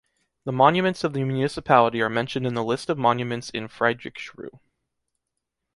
The monuments of the municipality are mentioned in the list of monuments in Friedrichsruhe.